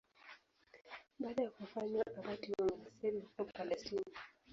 Baada ya kufanywa abati wa monasteri huko Palestina.